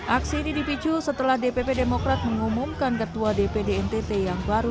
aksi ini dipicu setelah dpp demokrat mengumumkan ketua dpd ntt yang baru